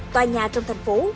tòa nhà trong thành phố